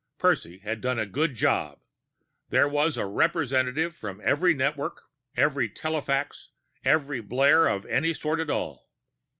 Percy had done a good job; there was a representative from every network, every telefax, every blare of any sort at all.